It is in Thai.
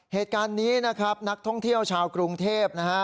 เหตุการณ์นี้นะครับนักท่องเที่ยวชาวกรุงเทพนะฮะ